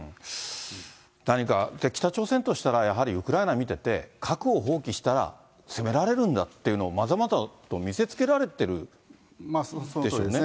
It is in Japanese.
何か、北朝鮮としたら、ウクライナ見てて、核を放棄したら攻められるんだっていうのをまざまざと見せつけらそうですね、